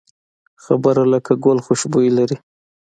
خبره لکه ګل خوشبويي لري